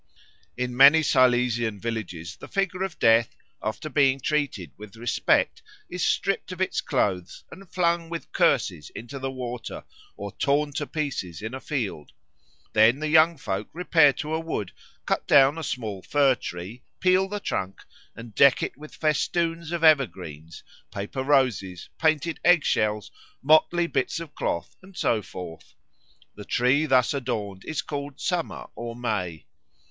In many Silesian villages the figure of Death, after being treated with respect, is stript of its clothes and flung with curses into the water, or torn to pieces in a field. Then the young folk repair to a wood, cut down a small fir tree, peel the trunk, and deck it with festoons of evergreens, paper roses, painted egg shells, motley bits of cloth, and so forth. The tree thus adorned is called Summer or May.